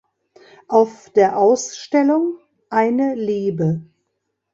Auf der Ausstellung "Eine Liebe.